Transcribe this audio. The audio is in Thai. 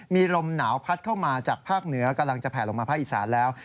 มีลมหนาวพัดเข้ามาจากภาคเหนือกำลังจะแผลลงมาภาคอีสานแล้ว